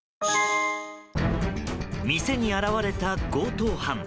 店に現れた強盗犯。